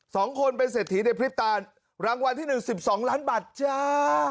สองคนเป็นเศรษฐีในพริบตาลรางวัลที่หนึ่งสิบสองล้านบาทจ้า